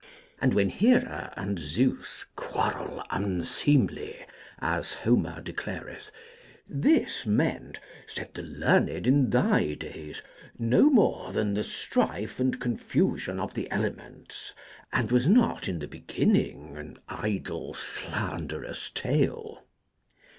And when Hera and Zeus quarrel unseemly (as Homer declareth), this meant (said the learned in thy days) no more than the strife and confusion of the elements, and was not in the beginning an idle slanderous tale.